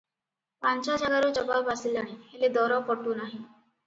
ପାଞ୍ଚ ଯାଗାରୁ ଜବାବ ଆସିଲାଣି, ହେଲେ ଦର ପଟୁନାହିଁ ।